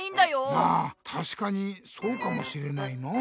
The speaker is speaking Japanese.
まあたしかにそうかもしれないな。